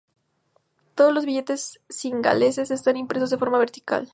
Todos los billetes cingaleses están impresos de forma vertical.